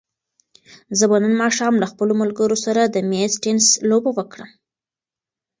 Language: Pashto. زه به نن ماښام له خپلو ملګرو سره د مېز تېنس لوبه وکړم.